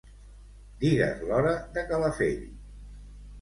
Digues l'hora de Calafell.